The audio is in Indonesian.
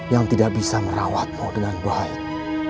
yang tidak bisa merawat mu dengan baik